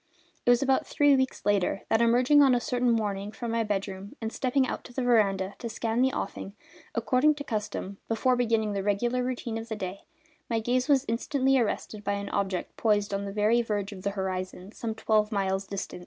It was about three weeks later that, emerging on a certain morning from my bedroom, and stepping out to the veranda to scan the offing, according to custom, before beginning the regular routine of the day, my gaze was instantly arrested by an object poised on the very verge of the horizon, some twelve miles distant.